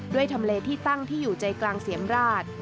ทำเลที่ตั้งที่อยู่ใจกลางเสียมราช